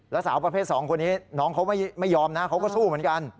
แล้วสาวประเภท๒คนนี้น้องเขาไม่ยอมนะเขาก็สู้เหมือนกัน